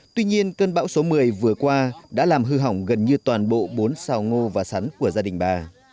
tuy nhiên cơn bão số một mươi vừa qua đã làm hư hỏng gần như toàn bộ bốn xào ngô và sắn của gia đình bà